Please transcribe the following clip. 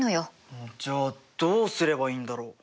うんじゃあどうすればいいんだろう？